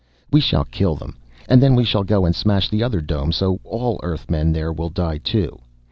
We shall kill them and then we shall go and smash the other dome so all the Earthmen there will die too.